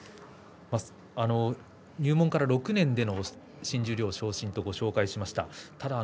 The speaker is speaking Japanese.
入門から６年での新十両昇進とご紹介しました。